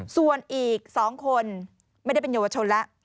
ส่วนอีก๒คนไม่ได้เป็นเยาวชนแล้ว